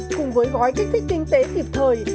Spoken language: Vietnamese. cùng với gói kích thích kinh tế kịp thời